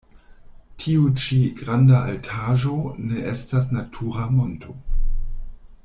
Tiu ĉi granda altaĵo ne estas natura monto.